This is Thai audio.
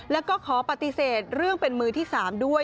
แล้วก็ขอปฏิเสธเรื่องเป็นมือที่๓ด้วย